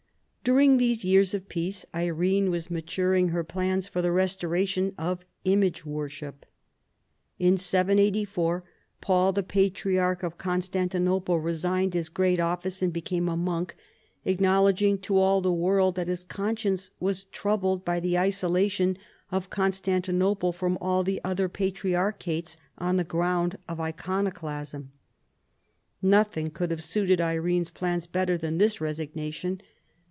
During these years of peace Irene was maturing her plans for the restoration of image worship. In 784, Paul the Patriarch of Constantinople resigned his great office and became a monk, acknowledging to all the world that his conscience was troubled by the isolation of Constantinople from all the other Patriarchates on the ground of Iconoclasm. Noth ing could have suited Irene's plans bettor than this resignation.